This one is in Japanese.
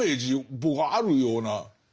僕はあるような。